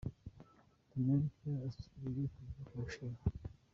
Dominice asubiye ku ivuko gushima